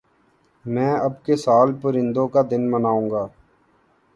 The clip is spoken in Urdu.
میں اب کے سال پرندوں کا دن مناؤں گا